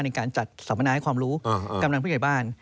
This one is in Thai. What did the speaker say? ในการจัดสัมมนาให้ความรู้กำลังผู้ใหญ่บ้าน